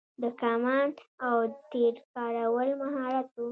د کمان او تیر کارول مهارت و